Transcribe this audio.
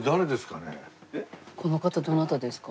この方どなたですか？